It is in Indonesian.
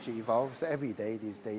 jika baterai sudah berjalan